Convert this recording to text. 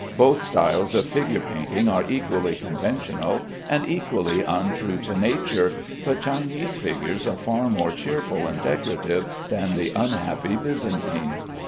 Both styles of figure painting are equally conventional, and equally untrue to nature, but Chinese figures are far more cheerful and decorative than the unhappy Byzantine.